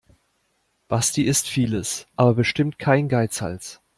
Basti ist vieles, aber bestimmt kein Geizhals.